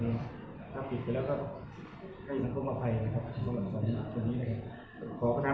ถ้าอุ๊ยคุณปิดไปแล้วก็ให้ทางออกไปนะครับ